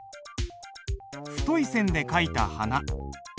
太い線で書いた「花」。